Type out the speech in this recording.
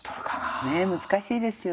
ねえ難しいですよね。